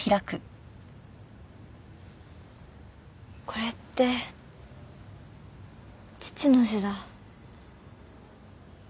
これって父の字だ。